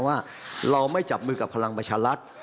ว่าเราไม่จับมือกับพลังมัชลัด